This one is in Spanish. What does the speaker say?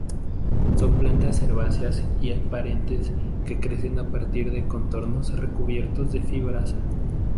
Son plantas herbáceas y perennes que crecen a partir de cormos recubiertos de fibras.